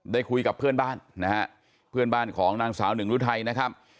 ได้คุยกับเพื่อนบ้านนะฮะเพื่อนบ้านของนางสาวหนึ่งรุทัยนะครับ